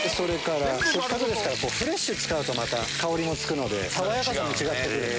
せっかくですからフレッシュ使うと香りもつくので爽やかさも違ってくる。